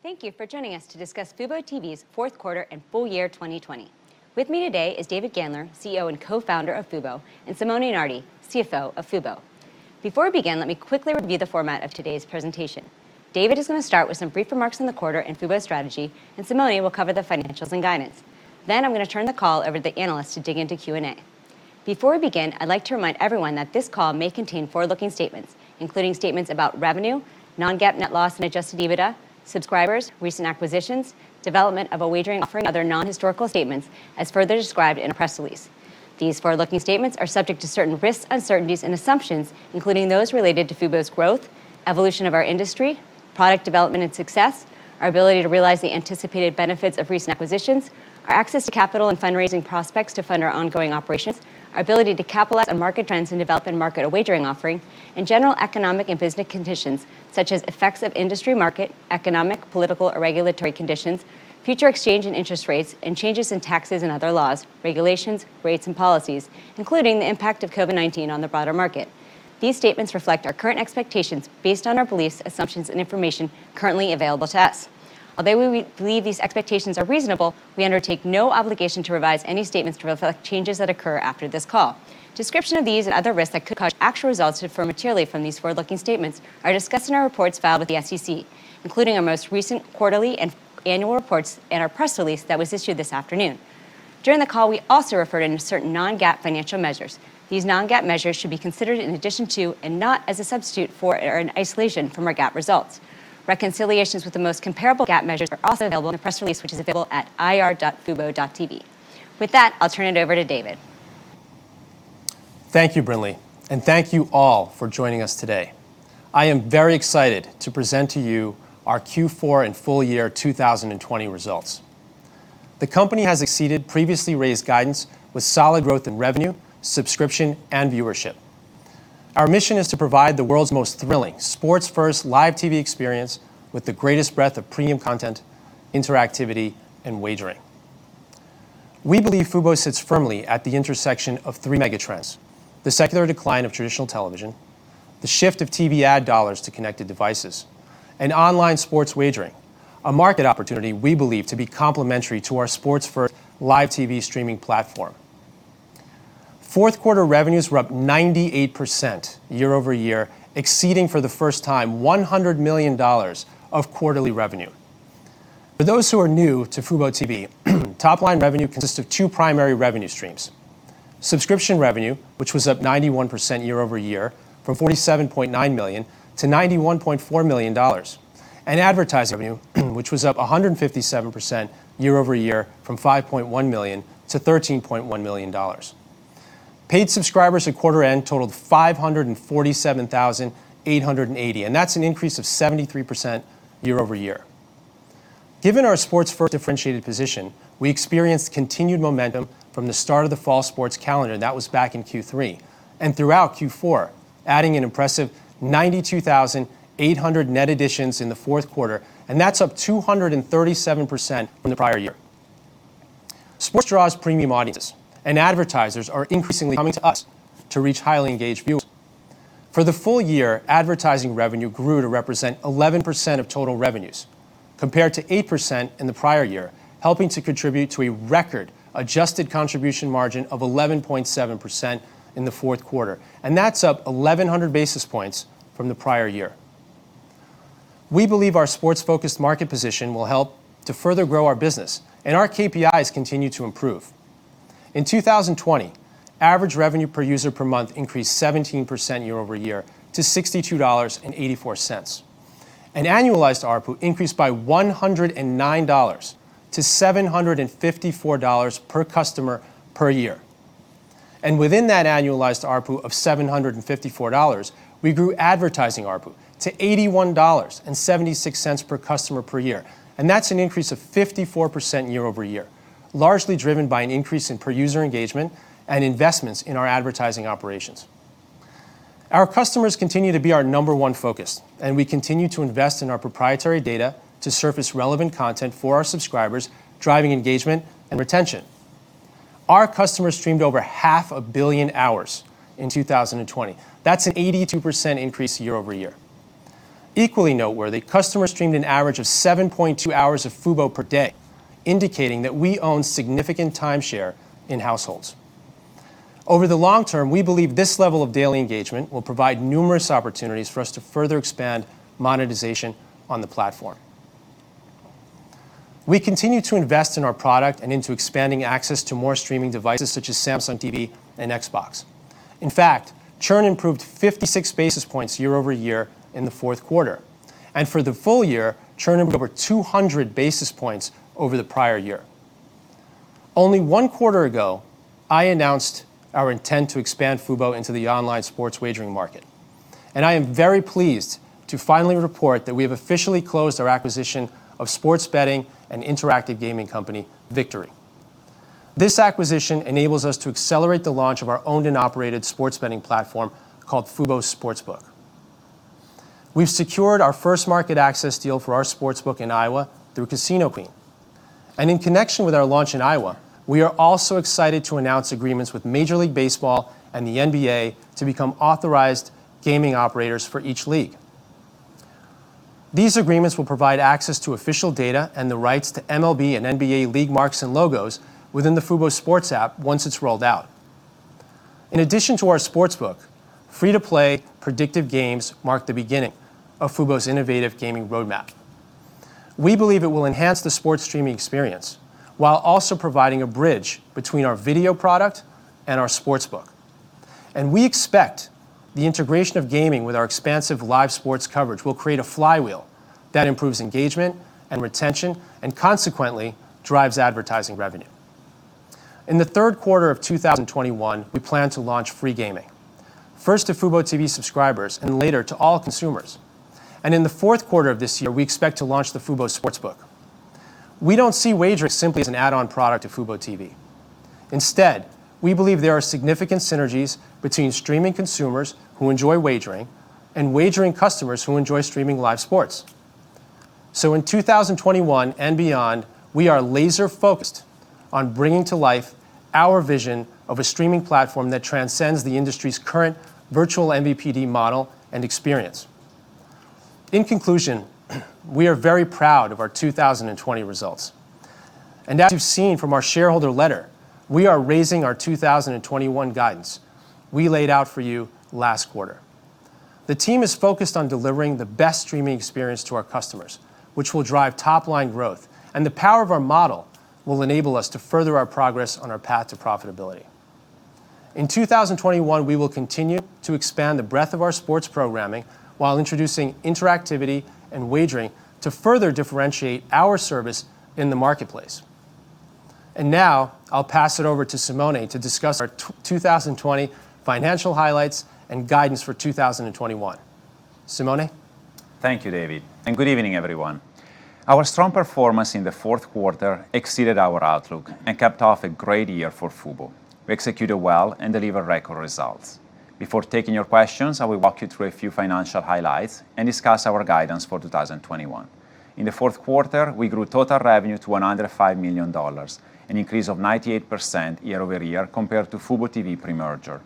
Thank you for joining us to discuss fuboTV's fourth quarter and full year 2020. With me today is David Gandler, CEO and co-founder of Fubo, and Simone Nardi, CFO of Fubo. Before we begin, let me quickly review the format of today's presentation. David is going to start with some brief remarks on the quarter and Fubo's strategy, and Simone will cover the financials and guidance. I'm going to turn the call over to the analysts to dig into Q&A. Before we begin, I'd like to remind everyone that this call may contain forward-looking statements, including statements about revenue, non-GAAP net loss and adjusted EBITDA, subscribers, recent acquisitions, development of a wagering offering, and other non-historical statements as further described in our press release. These forward-looking statements are subject to certain risks, uncertainties, and assumptions, including those related to Fubo's growth, evolution of our industry, product development and success, our ability to realize the anticipated benefits of recent acquisitions, our access to capital and fundraising prospects to fund our ongoing operations, our ability to capitalize on market trends and develop and market a wagering offering, and general economic and business conditions, such as effects of industry market, economic, political, or regulatory conditions, future exchange and interest rates, and changes in taxes and other laws, regulations, rates, and policies, including the impact of COVID-19 on the broader market. These statements reflect our current expectations based on our beliefs, assumptions, and information currently available to us. Although we believe these expectations are reasonable, we undertake no obligation to revise any statements to reflect changes that occur after this call. Description of these and other risks that could cause actual results to differ materially from these forward-looking statements are discussed in our reports filed with the SEC, including our most recent quarterly and annual reports and our press release that was issued this afternoon. During the call, we also referred to certain non-GAAP financial measures. These non-GAAP measures should be considered in addition to and not as a substitute for or an isolation from our GAAP results. Reconciliations with the most comparable GAAP measures are also available in the press release, which is available at ir.fubo.tv. With that, I'll turn it over to David. Thank you, Brinley, and thank you all for joining us today. I am very excited to present to you our Q4 and full year 2020 results. The company has exceeded previously raised guidance with solid growth in revenue, subscription, and viewership. Our mission is to provide the world's most thrilling sports-first live TV experience with the greatest breadth of premium content, interactivity, and wagering. We believe Fubo sits firmly at the intersection of three mega trends, the secular decline of traditional television, the shift of TV ad dollars to connected devices, and online sports wagering, a market opportunity we believe to be complementary to our sports-first live TV streaming platform. Fourth quarter revenues were up 98% year-over-year, exceeding for the first time $100 million of quarterly revenue. For those who are new to fuboTV, top-line revenue consists of two primary revenue streams, subscription revenue, which was up 91% year-over-year from $47.9 million to $91.4 million, and advertising revenue, which was up 157% year-over-year from $5.1 million to $13.1 million. Paid subscribers at quarter end totaled 547,880, and that's an increase of 73% year-over-year. Given our sports-first differentiated position, we experienced continued momentum from the start of the fall sports calendar, that was back in Q3, and throughout Q4, adding an impressive 92,800 net additions in the fourth quarter, and that's up 237% from the prior year. Sports draws premium audiences, and advertisers are increasingly coming to us to reach highly engaged viewers. For the full year, advertising revenue grew to represent 11% of total revenues, compared to 8% in the prior year, helping to contribute to a record adjusted contribution margin of 11.7% in the fourth quarter. That's up 1,100 basis points from the prior year. We believe our sports-focused market position will help to further grow our business. Our KPIs continue to improve. In 2020, average revenue per user per month increased 17% year-over-year to $62.84. Annualized ARPU increased by $109 to $754 per customer per year. Within that annualized ARPU of $754, we grew advertising ARPU to $81.76 per customer per year. That's an increase of 54% year-over-year, largely driven by an increase in per user engagement and investments in our advertising operations. Our customers continue to be our number one focus, and we continue to invest in our proprietary data to surface relevant content for our subscribers, driving engagement and retention. Our customers streamed over half a billion hours in 2020. That's an 82% increase year-over-year. Equally noteworthy, customers streamed an average of 7.2 hours of Fubo per day, indicating that we own significant timeshare in households. Over the long term, we believe this level of daily engagement will provide numerous opportunities for us to further expand monetization on the platform. We continue to invest in our product and into expanding access to more streaming devices such as Samsung TV and Xbox. In fact, churn improved 56 basis points year-over-year in the fourth quarter, and for the full year, churn improved over 200 basis points over the prior year. Only one quarter ago, I announced our intent to expand Fubo into the online sports wagering market. I am very pleased to finally report that we have officially closed our acquisition of sports betting and interactive gaming company, Vigtory. This acquisition enables us to accelerate the launch of our owned and operated sports betting platform called Fubo Sportsbook. We've secured our first market access deal for our Sportsbook in Iowa through Casino Queen. In connection with our launch in Iowa, we are also excited to announce agreements with Major League Baseball and the NBA to become authorized gaming operators for each league. These agreements will provide access to official data and the rights to MLB and NBA league marks and logos within the Fubo Sports app once it's rolled out. In addition to our Sportsbook, free-to-play predictive games mark the beginning of Fubo's innovative gaming roadmap. We believe it will enhance the sports streaming experience while also providing a bridge between our video product and our sportsbook. We expect the integration of gaming with our expansive live sports coverage will create a flywheel that improves engagement and retention, and consequently, drives advertising revenue. In the third quarter of 2021, we plan to launch free gaming, first to fuboTV subscribers and later to all consumers. In the fourth quarter of this year, we expect to launch the Fubo Sportsbook. We don't see wagering simply as an add-on product to fuboTV. Instead, we believe there are significant synergies between streaming consumers who enjoy wagering and wagering customers who enjoy streaming live sports. In 2021 and beyond, we are laser-focused on bringing to life our vision of a streaming platform that transcends the industry's current virtual MVPD model and experience. In conclusion, we are very proud of our 2020 results, and as you've seen from our shareholder letter, we are raising our 2021 guidance we laid out for you last quarter. The team is focused on delivering the best streaming experience to our customers, which will drive top-line growth. The power of our model will enable us to further our progress on our path to profitability. In 2021, we will continue to expand the breadth of our sports programming while introducing interactivity and wagering to further differentiate our service in the marketplace. Now I'll pass it over to Simone to discuss our 2020 financial highlights and guidance for 2021. Simone? Thank you, David, good evening, everyone. Our strong performance in the fourth quarter exceeded our outlook and capped off a great year for Fubo. We executed well and delivered record results. Before taking your questions, I will walk you through a few financial highlights and discuss our guidance for 2021. In the fourth quarter, we grew total revenue to $105 million, an increase of 98% year-over-year compared to fuboTV pre-merger.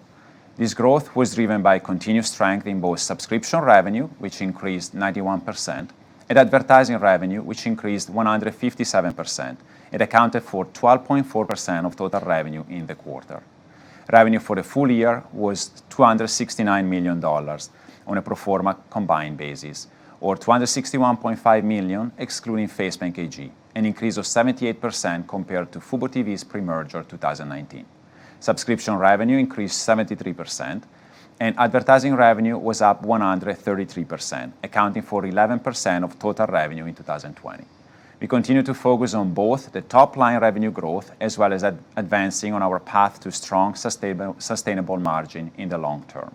This growth was driven by continued strength in both subscription revenue, which increased 91%, and advertising revenue, which increased 157%. It accounted for 12.4% of total revenue in the quarter. Revenue for the full year was $269 million on a pro forma combined basis, or $261.5 million excluding FaceBank AG, an increase of 78% compared to fuboTV's pre-merger 2019. Subscription revenue increased 73%, and advertising revenue was up 133%, accounting for 11% of total revenue in 2020. We continue to focus on both the top-line revenue growth as well as advancing on our path to strong, sustainable adjusted contribution margin in the long term.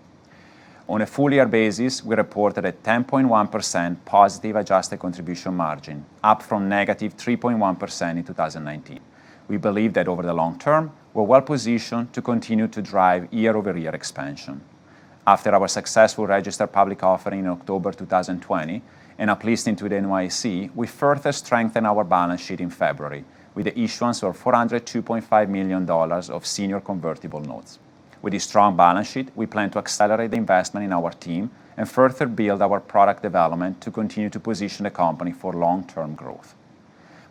On a full-year basis, we reported a 10.1% positive adjusted contribution margin, up from -3.1% in 2019. We believe that over the long term, we're well-positioned to continue to drive year-over-year expansion. After our successful registered public offering in October 2020 and our listing to the NYSE, we further strengthened our balance sheet in February with the issuance of $402.5 million of senior convertible notes. With a strong balance sheet, we plan to accelerate the investment in our team and further build our product development to continue to position the company for long-term growth.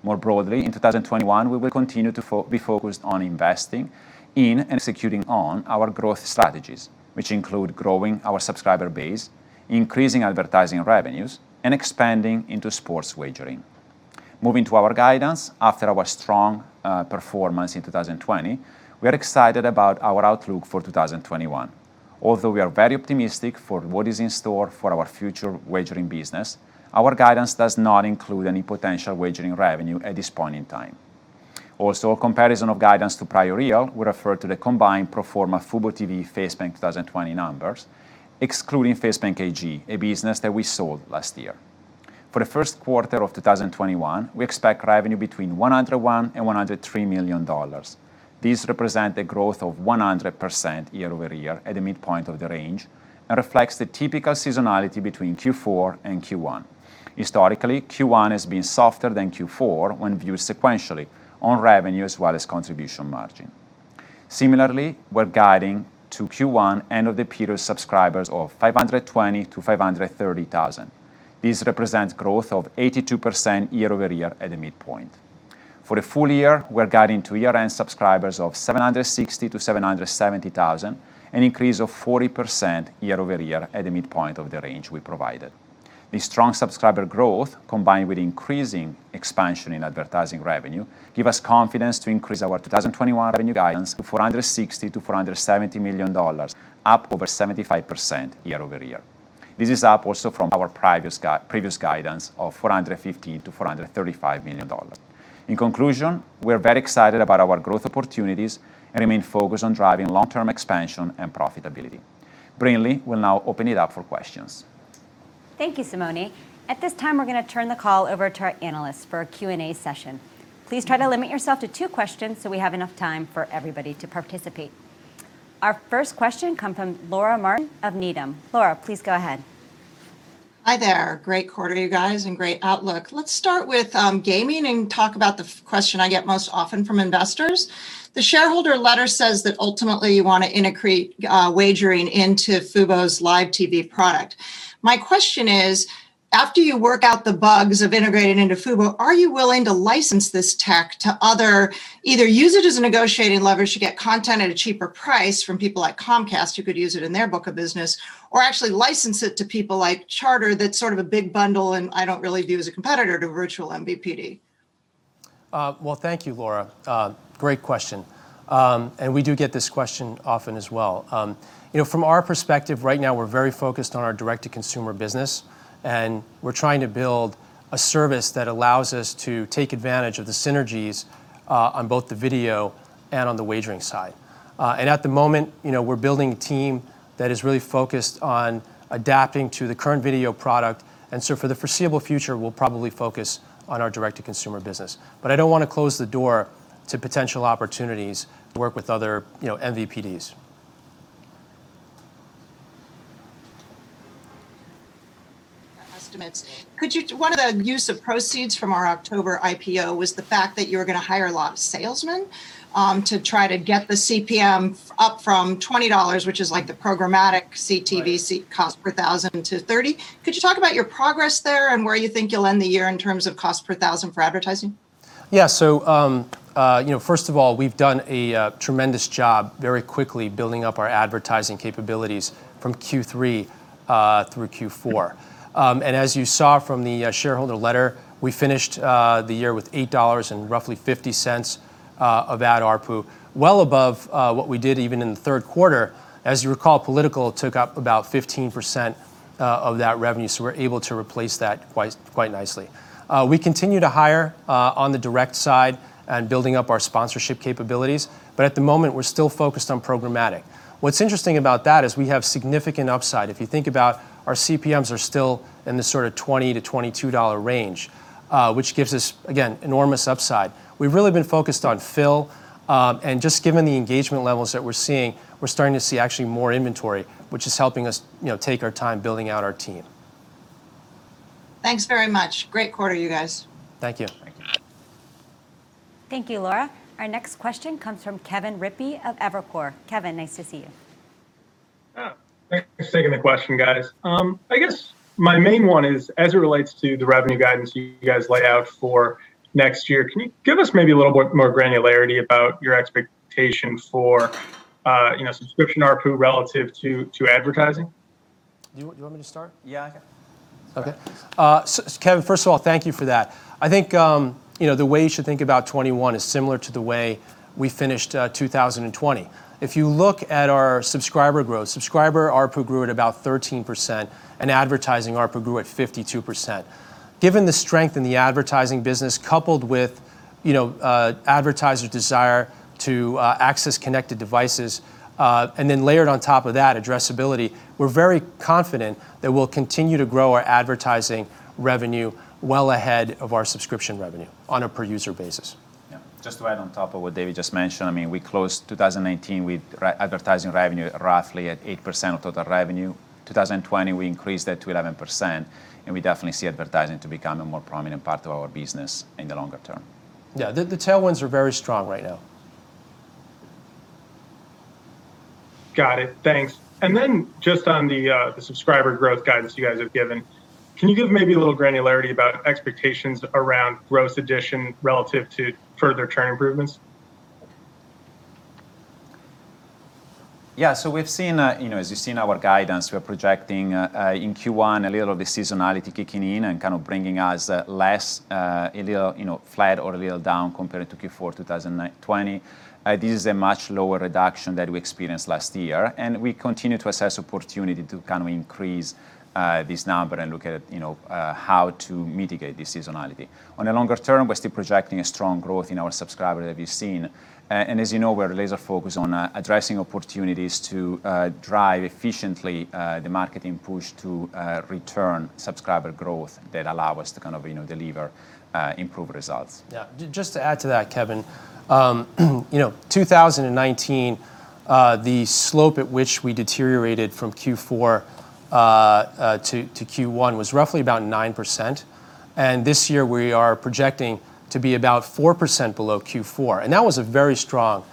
More broadly, in 2021, we will continue to be focused on investing in and executing on our growth strategies, which include growing our subscriber base, increasing advertising revenues, and expanding into sports wagering. Moving to our guidance, after our strong performance in 2020, we are excited about our outlook for 2021. Although we are very optimistic for what is in store for our future wagering business, our guidance does not include any potential wagering revenue at this point in time. Also, a comparison of guidance to prior year will refer to the combined pro forma fuboTV FaceBank 2020 numbers, excluding FaceBank AG, a business that we sold last year. For the first quarter of 2021, we expect revenue between $101 and $103 million. These represent a growth of 100% year-over-year at the midpoint of the range and reflects the typical seasonality between Q4 and Q1. Historically, Q1 has been softer than Q4 when viewed sequentially on revenue as well as adjusted contribution margin. Similarly, we're guiding to Q1 end-of-the-period subscribers of 520,000-530,000. This represents growth of 82% year-over-year at the midpoint. For the full year, we're guiding to year-end subscribers of 760,000-770,000, an increase of 40% year-over-year at the midpoint of the range we provided. This strong subscriber growth, combined with increasing expansion in advertising revenue, give us confidence to increase our 2021 revenue guidance to $460 million-$470 million, up over 75% year-over-year. This is up also from our previous guidance of $415 million-$435 million. In conclusion, we are very excited about our growth opportunities and remain focused on driving long-term expansion and profitability. Brinley will now open it up for questions. Thank you, Simone. At this time, we're going to turn the call over to our analysts for a Q&A session. Please try to limit yourself to two questions so we have enough time for everybody to participate. Our first question comes from Laura Martin of Needham. Laura, please go ahead. Hi there. Great quarter, you guys, and great outlook. Let's start with gaming and talk about the question I get most often from investors. The shareholder letter says that ultimately you want to integrate wagering into Fubo's live TV product. My question is, after you work out the bugs of integrating into Fubo, are you willing to license this tech to either use it as a negotiating leverage to get content at a cheaper price from people like Comcast, who could use it in their book of business, or actually license it to people like Charter, that's sort of a big bundle and I don't really view as a competitor to virtual MVPD? Well, thank you, Laura. Great question. We do get this question often as well. From our perspective right now, we're very focused on our direct-to-consumer business. We're trying to build a service that allows us to take advantage of the synergies on both the video and on the wagering side. At the moment, we're building a team that is really focused on adapting to the current video product. For the foreseeable future, we'll probably focus on our direct-to-consumer business. I don't want to close the door to potential opportunities to work with other MVPDs. Estimates. One of the use of proceeds from our October IPO was the fact that you were going to hire a lot of salesmen to try to get the CPM up from $20, which is like the programmatic CTV. Right cost per thousand to 30. Could you talk about your progress there and where you think you'll end the year in terms of cost per thousand for advertising? Yeah. First of all, we've done a tremendous job very quickly building up our advertising capabilities from Q3 through Q4. As you saw from the shareholder letter, we finished the year with $8.50 of ad ARPU, well above what we did even in the third quarter. As you recall, political took up about 15% of that revenue, so we're able to replace that quite nicely. We continue to hire on the direct side and building up our sponsorship capabilities. At the moment, we're still focused on programmatic. What's interesting about that is we have significant upside. If you think about our CPMs are still in this sort of $20-$22 range, which gives us, again, enormous upside. We've really been focused on fill, and just given the engagement levels that we're seeing, we're starting to see actually more inventory, which is helping us take our time building out our team. Thanks very much. Great [quarter], you guys. Thank you. Thank you, Laura. Our next question comes from Kevin Rippey of Evercore. Kevin, nice to see you. Thanks for taking the question, guys. I guess my main one is, as it relates to the revenue guidance you guys laid out for next year, can you give us maybe a little bit more granularity about your expectation for subscription ARPU relative to advertising? Do you want me to start? Yeah, I can. Okay. Kevin, first of all, thank you for that. I think the way you should think about 2021 is similar to the way we finished 2020. If you look at our subscriber growth, subscriber ARPU grew at about 13%, and advertising ARPU grew at 52%. Given the strength in the advertising business, coupled with advertiser desire to access connected devices, and then layered on top of that addressability, we're very confident that we'll continue to grow our advertising revenue well ahead of our subscription revenue on a per user basis. Yeah. Just to add on top of what David just mentioned, we closed 2019 with advertising revenue roughly at 8% of total revenue. 2020, we increased that to 11%, and we definitely see advertising to become a more prominent part of our business in the longer term. Yeah. The tailwinds are very strong right now. Got it. Thanks. Just on the subscriber growth guidance you guys have given, can you give maybe a little granularity about expectations around gross addition relative to further churn improvements? Yeah. As you've seen our guidance, we're projecting in Q1 a little of the seasonality kicking in and kind of bringing us less, a little flat or a little down compared to Q4 2020. This is a much lower reduction than we experienced last year, and we continue to assess opportunity to increase this number and look at how to mitigate the seasonality. On a longer term, we're still projecting a strong growth in our subscriber that we've seen. As you know, we're laser focused on addressing opportunities to drive efficiently the marketing push to return subscriber growth that allow us to deliver improved results. Yeah. Just to add to that, Kevin, 2019, the slope at which we deteriorated from Q4 to Q1 was roughly about 9%. This year, we are projecting to be about 4% below Q4, and that was a very strong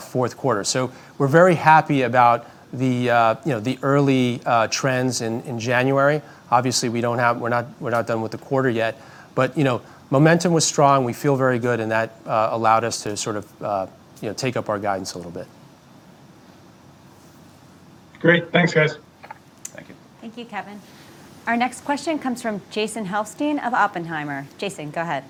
fourth quarter. We're very happy about the early trends in January. Obviously, we're not done with the quarter yet, but momentum was strong. We feel very good, and that allowed us to sort of take up our guidance a little bit. Great. Thanks, guys. Thank you. Thank you, Kevin. Our next question comes from Jason Helfstein of Oppenheimer. Jason, go ahead.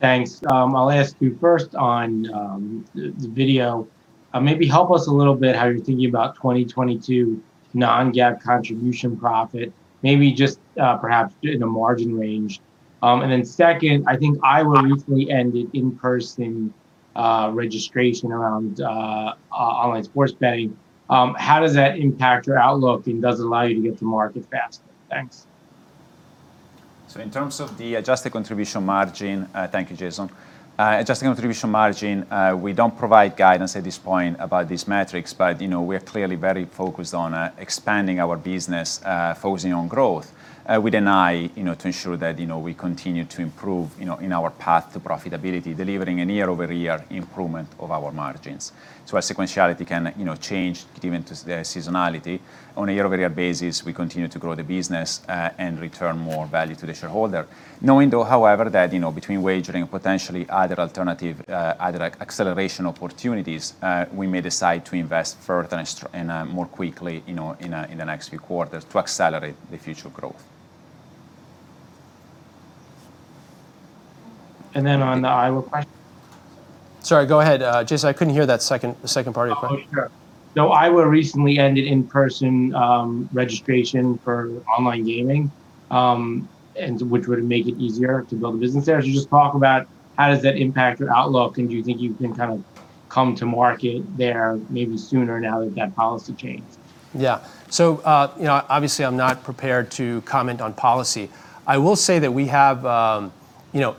Thanks. I'll ask you first on the video, maybe help us a little bit how you're thinking about 2022 non-GAAP contribution profit, maybe just perhaps in a margin range. Then second, I think Iowa recently ended in-person registration around online sports betting. How does that impact your outlook, and does it allow you to get to market faster? Thanks. Thank you, Jason. Adjusted contribution margin, we don't provide guidance at this point about these metrics, but we are clearly very focused on expanding our business, focusing on growth, with an eye to ensure that we continue to improve in our path to profitability, delivering a year-over-year improvement of our margins. Our sequentiality can change given the seasonality. On a year-over-year basis, we continue to grow the business and return more value to the shareholder. Knowing, though, however, that between wagering and potentially other alternative acceleration opportunities, we may decide to invest further and more quickly in the next few quarters to accelerate the future growth. Then on the Iowa question- Sorry, go ahead, Jason, I couldn't hear that second part of your question. Oh, sure. Iowa recently ended in-person registration for online gaming, which would make it easier to build a business there. As you just talk about, how does that impact your outlook, and do you think you can kind of come to market there maybe sooner now that that policy changed? Yeah. Obviously, I'm not prepared to comment on policy. I will say that we have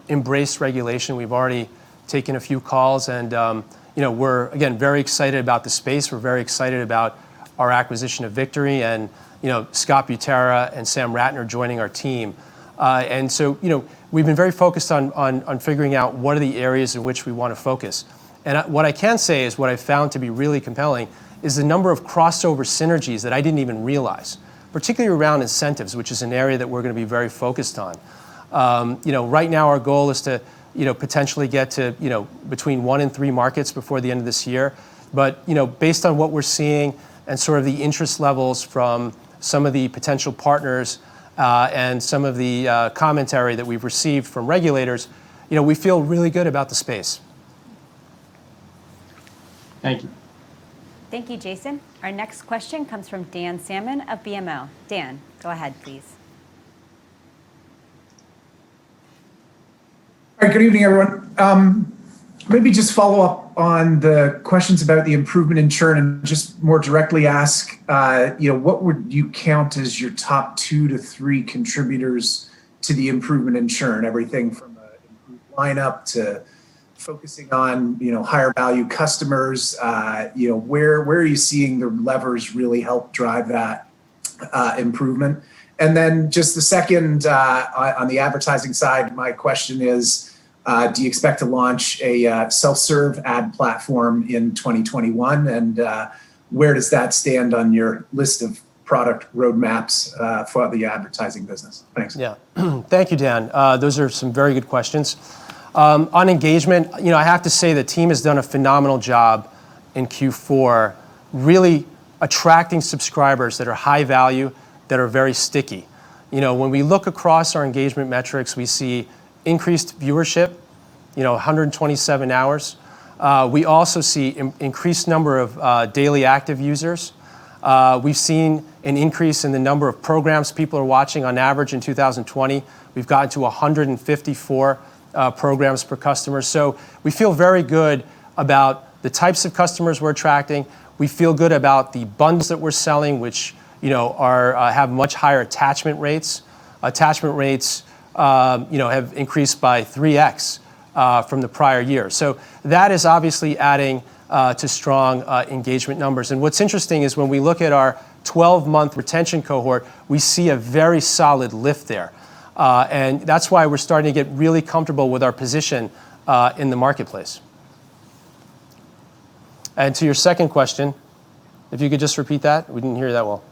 embraced regulation. We've already taken a few calls and we're, again, very excited about the space. We're very excited about our acquisition of Vigtory and Scott Butera and Sam Rattner joining our team. We've been very focused on figuring out what are the areas in which we want to focus. What I can say is what I've found to be really compelling is the number of crossover synergies that I didn't even realize, particularly around incentives, which is an area that we're going to be very focused on. Right now our goal is to potentially get to between one and three markets before the end of this year. Based on what we're seeing and sort of the interest levels from some of the potential partners, and some of the commentary that we've received from regulators, we feel really good about the space. Thank you. Thank you, Jason. Our next question comes from Dan Salmon of BMO. Dan, go ahead, please. All right. Good evening, everyone. Maybe just follow up on the questions about the improvement in churn and just more directly ask, what would you count as your top two to three contributors to the improvement in churn? Everything from an improved lineup to focusing on higher-value customers. Where are you seeing the levers really help drive that improvement? Just the second, on the advertising side, my question is, do you expect to launch a self-serve ad platform in 2021? Where does that stand on your list of product roadmaps for the advertising business? Thanks. Yeah. Thank you, Dan. On engagement, I have to say the team has done a phenomenal job in Q4, really attracting subscribers that are high value, that are very sticky. When we look across our engagement metrics, we see increased viewership, 127 hours. We also see increased number of daily active users. We've seen an increase in the number of programs people are watching on average in 2020. We've gotten to 154 programs per customer. We feel very good about the types of customers we're attracting. We feel good about the bundles that we're selling, which have much higher attachment rates. Attachment rates have increased by 3x from the prior year. That is obviously adding to strong engagement numbers. What's interesting is when we look at our 12-month retention cohort, we see a very solid lift there. That's why we're starting to get really comfortable with our position in the marketplace. To your second question, if you could just repeat that. We didn't hear that well.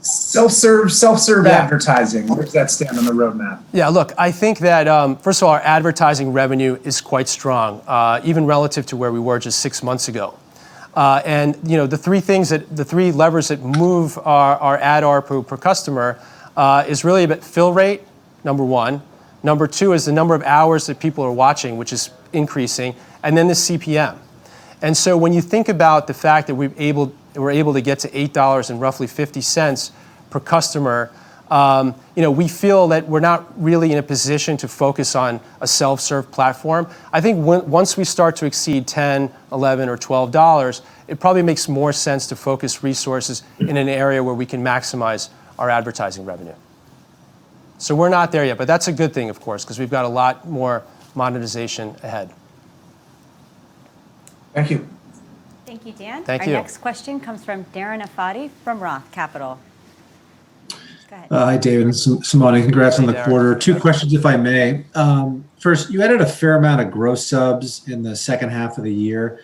Self-serve advertising. Where does that stand on the roadmap? Yeah, look, I think that, first of all, our advertising revenue is quite strong, even relative to where we were just six months ago. The three levers that move our ad ARPPU per customer is really about fill rate, number one. Number two is the number of hours that people are watching, which is increasing. Then the CPM. When you think about the fact that we're able to get to $8 and roughly $0.50 per customer, we feel that we're not really in a position to focus on a self-serve platform. I think once we start to exceed $10, $11, or $12, it probably makes more sense to focus resources in an area where we can maximize our advertising revenue. We're not there yet, but that's a good thing, of course, because we've got a lot more monetization ahead. Thank you. Thank you, Dan. Thank you. Our next question comes from Darren Aftahi from Roth Capital. Go ahead. Hi, David and Simone. Congrats on the quarter. Two questions, if I may. First, you added a fair amount of gross subs in the second half of the year.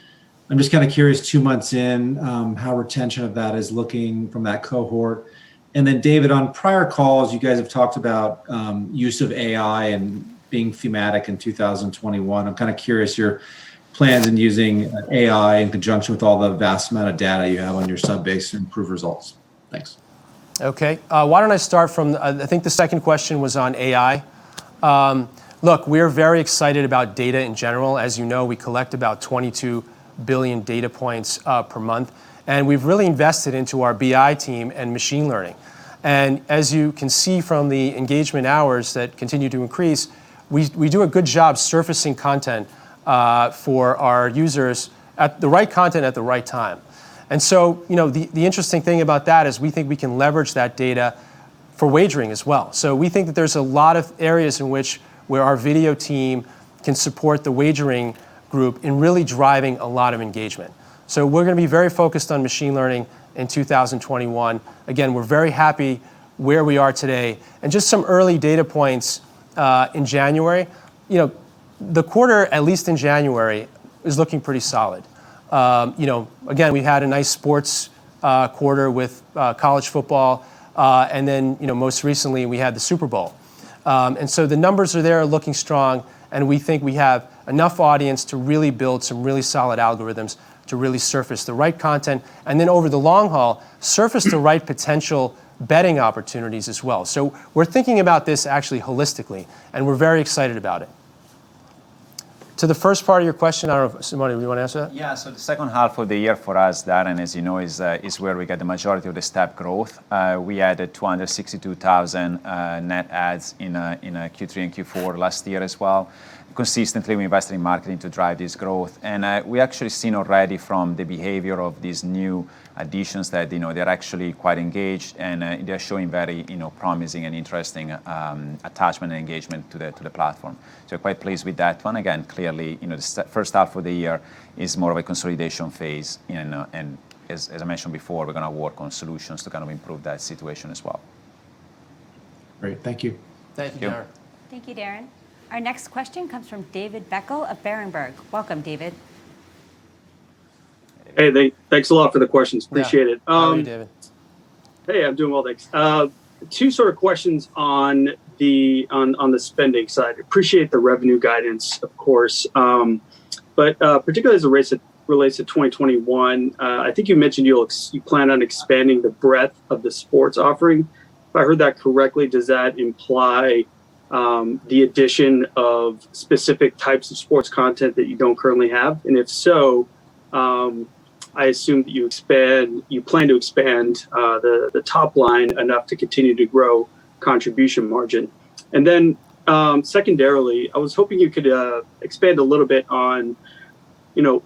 I'm just kind of curious, two months in, how retention of that is looking from that cohort. David, on prior calls, you guys have talked about use of AI and being thematic in 2021. I'm kind of curious your plans in using AI in conjunction with all the vast amount of data you have on your sub base to improve results. Thanks. Why don't I start from, I think the second question was on AI. Look, we are very excited about data in general. As you know, we collect about 22 billion data points per month, and we've really invested into our BI team and machine learning. As you can see from the engagement hours that continue to increase, we do a good job surfacing content for our users at the right content at the right time. The interesting thing about that is we think we can leverage that data for wagering as well. We think that there's a lot of areas in which where our video team can support the wagering group in really driving a lot of engagement. We're going to be very focused on machine learning in 2021. We're very happy where we are today, and just some early data points in January. The quarter, at least in January, is looking pretty solid. Again, we had a nice sports quarter with college football. Then, most recently, we had the Super Bowl. So the numbers are there looking strong, and we think we have enough audience to really build some really solid algorithms to really surface the right content. Then over the long haul, surface the right potential betting opportunities as well. We're thinking about this actually holistically, and we're very excited about it. To the first part of your question, I don't know, Simone, you want to answer that? The second half of the year for us, Darren Aftahi, as you know, is where we get the majority of the step growth. We added 262,000 net adds in Q3 and Q4 last year as well. Consistently, we invested in marketing to drive this growth. We actually seen already from the behavior of these new additions that they're actually quite engaged and they're showing very promising and interesting attachment and engagement to the platform. Quite pleased with that one. Again, clearly, the first half of the year is more of a consolidation phase. As I mentioned before, we're going to work on solutions to improve that situation as well. Great. Thank you. Thank you. Thank you. Thank you, Darren. Our next question comes from David Beckel of Berenberg. Welcome, David. Hey. Thanks a lot for the questions. Appreciate it. Yeah. How are you, David? Hey, I'm doing well, thanks. Two sort of questions on the spending side. Appreciate the revenue guidance, of course. Particularly as it relates to 2021, I think you mentioned you plan on expanding the breadth of the sports offering. If I heard that correctly, does that imply the addition of specific types of sports content that you don't currently have? If so, I assume that you plan to expand the top line enough to continue to grow contribution margin. Secondarily, I was hoping you could expand a little bit on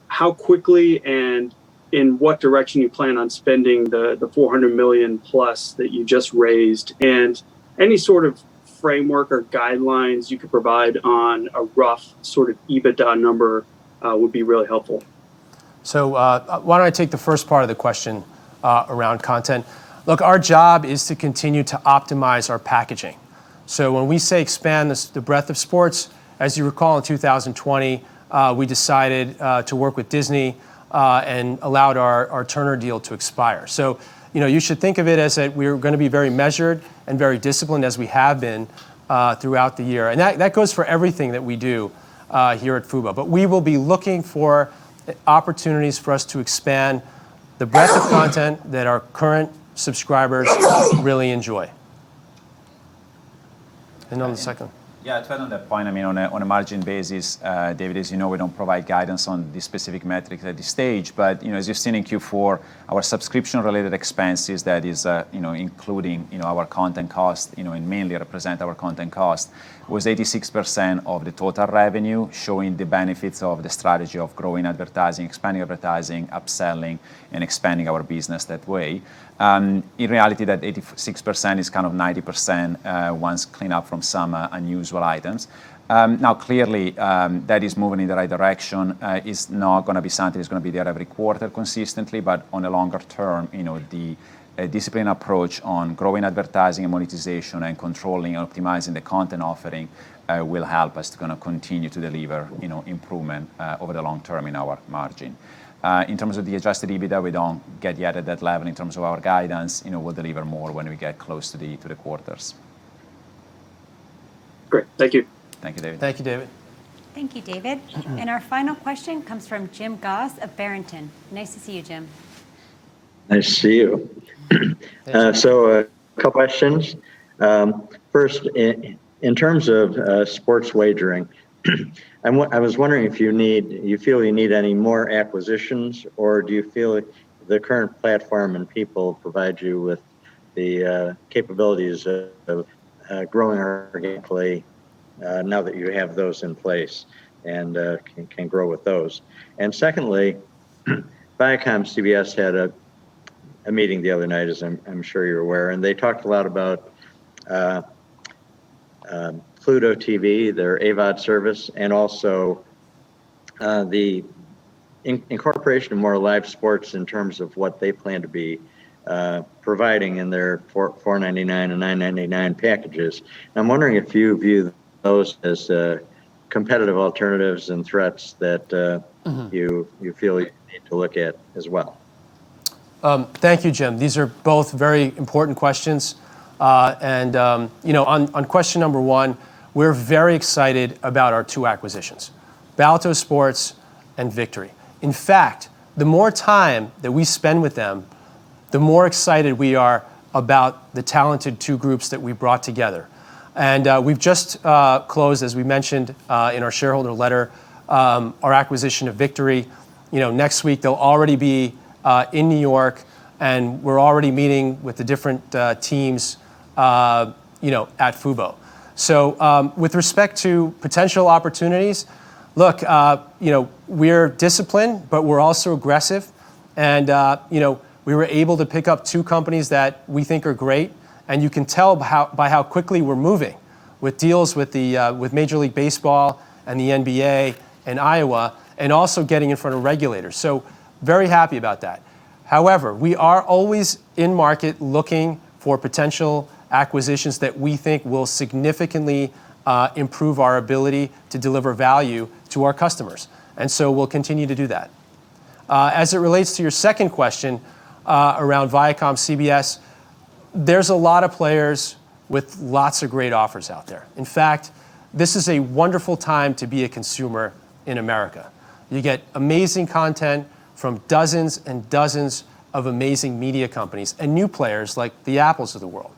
how quickly and in what direction you plan on spending the $400 million-plus that you just raised, and any sort of framework or guidelines you could provide on a rough sort of EBITDA number would be really helpful. Why don't I take the first part of the question around content. Look, our job is to continue to optimize our packaging. When we say expand the breadth of sports, as you recall, in 2020, we decided to work with Disney, and allowed our Turner deal to expire. You should think of it as we are going to be very measured and very disciplined as we have been throughout the year. That goes for everything that we do here at fuboTV. We will be looking for opportunities for us to expand the breadth of content that our current subscribers really enjoy. On the second? Yeah, to add on that point, on a margin basis, David, as you know, we don't provide guidance on the specific metrics at this stage. As you've seen in Q4, our subscription-related expenses, that is including our content cost and mainly represent our content cost, was 86% of the total revenue, showing the benefits of the strategy of growing advertising, expanding advertising, upselling, and expanding our business that way. In reality, that 86% is kind of 90% once cleaned up from some unusual items. Now, clearly, that is moving in the right direction. It's not going to be something that's going to be there every quarter consistently. On a longer term, the disciplined approach on growing advertising and monetization and controlling and optimizing the content offering will help us to continue to deliver improvement over the long term in our margin. In terms of the adjusted EBITDA, we don't get yet at that level in terms of our guidance. We'll deliver more when we get close to the quarters. Great. Thank you. Thank you, David. Thank you, David. Thank you, David. Our final question comes from James Goss of Barrington. Nice to see you, James. Nice to see you. A couple questions. First, in terms of sports wagering, I was wondering if you feel you need any more acquisitions, or do you feel like the current platform and people provide you with the capabilities of growing organically, now that you have those in place and can grow with those? Secondly, ViacomCBS had a meeting the other night, as I'm sure you're aware, and they talked a lot about Pluto TV, their AVOD service, and also the incorporation of more live sports in terms of what they plan to be providing in their $4.99 and $9.99 packages. I'm wondering if you view those as competitive alternatives and threats? you feel you need to look at as well. Thank you, James. These are both very important questions. On question number one, we're very excited about our two acquisitions, Balto Sports and Vigtory. In fact, the more time that we spend with them, the more excited we are about the talented two groups that we brought together. We've just closed, as we mentioned in our shareholder letter, our acquisition of Vigtory. Next week, they'll already be in New York, and we're already meeting with the different teams at Fubo. With respect to potential opportunities, look, we're disciplined, but we're also aggressive. We were able to pick up two companies that we think are great, and you can tell by how quickly we're moving with deals with Major League Baseball and the NBA in Iowa, and also getting in front of regulators. Very happy about that. However, we are always in market looking for potential acquisitions that we think will significantly improve our ability to deliver value to our customers. We'll continue to do that. As it relates to your second question around ViacomCBS, there's a lot of players with lots of great offers out there. In fact, this is a wonderful time to be a consumer in America. You get amazing content from dozens and dozens of amazing media companies and new players like the Apple of the world.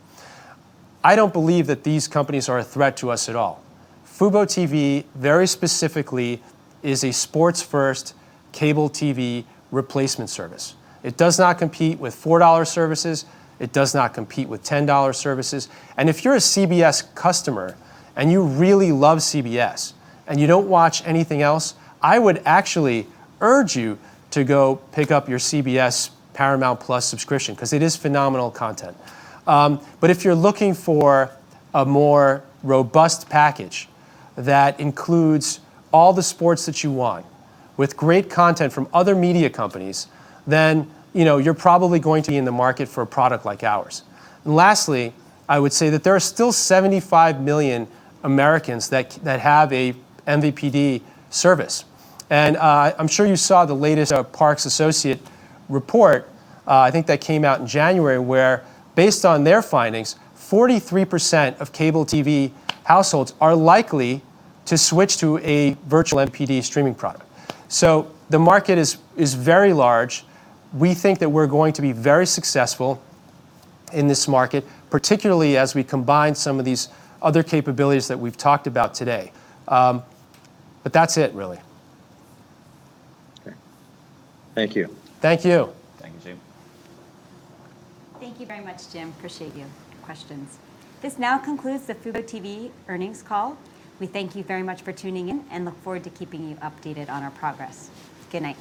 I don't believe that these companies are a threat to us at all. fuboTV, very specifically, is a sports-first cable TV replacement service. It does not compete with $4 services. It does not compete with $10 services. If you're a CBS customer and you really love CBS and you don't watch anything else, I would actually urge you to go pick up your CBS Paramount+ subscription because it is phenomenal content. If you're looking for a more robust package that includes all the sports that you want with great content from other media companies, then you're probably going to be in the market for a product like ours. Lastly, I would say that there are still 75 million Americans that have a MVPD service. I'm sure you saw the latest Parks Associates report, I think that came out in January, where based on their findings, 43% of cable TV households are likely to switch to a virtual MVPD streaming product. The market is very large. We think that we're going to be very successful in this market, particularly as we combine some of these other capabilities that we've talked about today. That's it really. Okay. Thank you. Thank you. Thank you, James. Thank you very much, James. Appreciate you. Questions? This now concludes the fuboTV earnings call. We thank you very much for tuning in and look forward to keeping you updated on our progress. Good night.